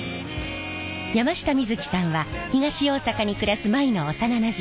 山下美月さんは東大阪に暮らす舞の幼なじみ久留美を演じます。